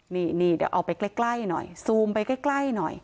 นี่เดี๋ยวเอาไปใกล้หน่อยซูมไปใกล้หน่อย